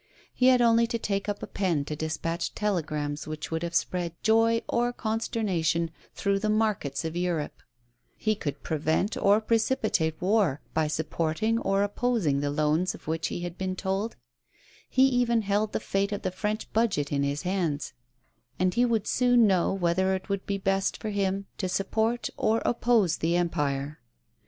He had only to take up a pen to despatch tele grams which would have spread joy or consternation through the markets of Europe; he could prevent or precipitate war, by supporting or opposing the loan of which he had been told; he even held the fate of the French Budget in his hands, and he would soon know whether it would be best for him to support or oppose the Empire.